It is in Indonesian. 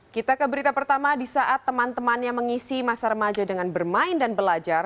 kita ke berita pertama di saat teman temannya mengisi masa remaja dengan bermain dan belajar